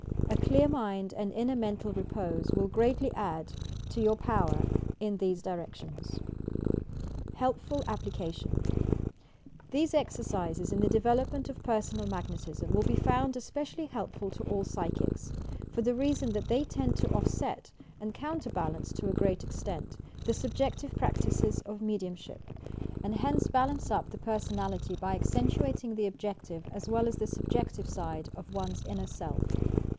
A clear mind and inner mental repose will greatly add to yonr power in these directions. k PERSONAL MAGNETISM HELPFUL APPLICATION These exerciBes in the development of Personal Mag netism will be found especially helpful to all psychics, for the reason that they tend to offset and counterbal ance, to a great extent, the subjective practices of me diutnsbip, and hence balance up the personality by ac centuating the objective as well as the subjective side of one's inner self.